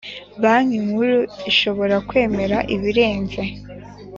Banki Nkuru ishobora kwemera ibirenze